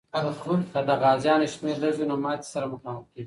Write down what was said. که د غازیانو شمېر لږ وي، نو ماتي سره مخامخ کېږي.